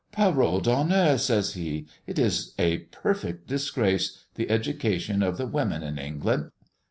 "Parole d'honneur," says he, "it is a perfect disgrace, the education of the women in England!